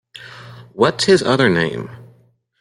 What’s his other name?